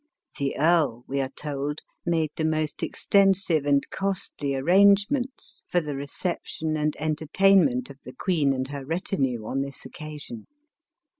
"The earl," we are told, "made the most extensive and costly arrangements for the reception and enter tainment of the queen and her retinue on this occasion.